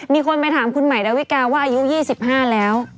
มีคนไปถามคุณใหม่ดาวิกาว่าอายุ๒๕แล้ว